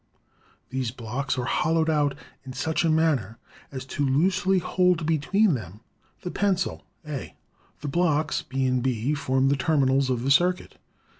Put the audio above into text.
These blocks are hol lowed out in such a manner as to loosely hold between them the pencil, A. The blocks, B, B, form the terminals of the circuit.